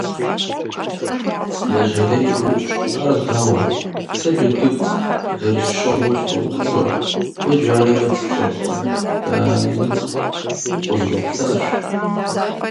Лэжьэрейр йоупщӀ: Ар дауэ? Сэ джэдыгу зэрысщыгъыу сопӏыщӏэ, уэ джанэ фӀэкӀ пщыгъкъым, итӏани укъызэщӀэплъащ.